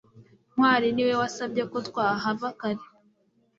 ntwali niwe wasabye ko twahava kare